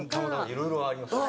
いろいろありますから。